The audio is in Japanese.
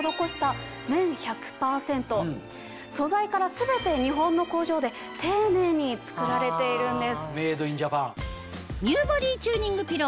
素材から全て日本の工場で丁寧に作られているんです。